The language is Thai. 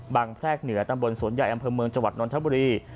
แพรกเหนือตำบลสวนใหญ่อำเภอเมืองจังหวัดนทบุรี